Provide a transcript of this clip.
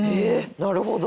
なるほど。